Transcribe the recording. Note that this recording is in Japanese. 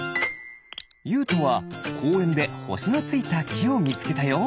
ゆうとはこうえんでほしのついたきをみつけたよ。